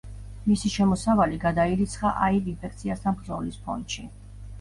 მისი შემოსავალი გადაირიცხა აივ ინფექციასთან ბრძოლის ფონდში.